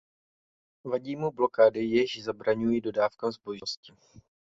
Vadí mu blokády, jež zabraňují dodávkám zboží do této oblasti.